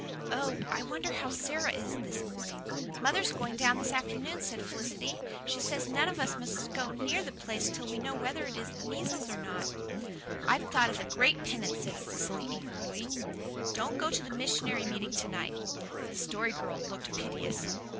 Oh, I wonder how Sara is this morning." "Mother's going down this afternoon," said Felicity. "She says none of us must go near the place till we know whether it is the measles or not." "I've thought of a great penance," said Cecily eagerly. "Don't go to the missionary meeting to night." The Story Girl looked piteous.